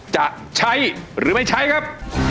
จะใช้หรือไม่ใช้ครับ